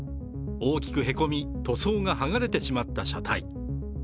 大きくへこみ、塗装がはがれてしまった車体。